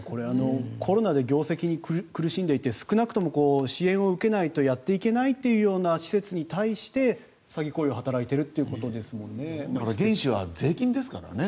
コロナで業績が苦しんでいて少なくとも支援を受けないとやっていけないという施設に対して詐欺行為を働いているということですからね。